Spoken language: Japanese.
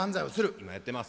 今やってます。